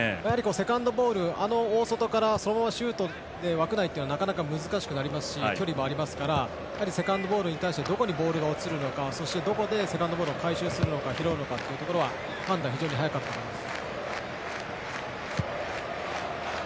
セカンドボールあの大外からそのままシュートで枠内というのはなかなか難しくなりますし距離もありますからセカンドボールに対してどこにボールが落ちるのかそして、どこでセカンドボールを回収するのかという判断が非常に早かったと思います。